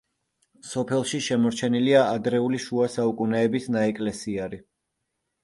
სოფელში შემორჩენილია ადრეული შუა საუკუნეების ნაეკლესიარი.